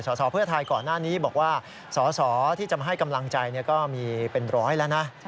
สสเพื่อไทยก่อนหน้านี้บอกว่าสอสอที่จะมาให้กำลังใจก็มีเป็นร้อยแล้วนะ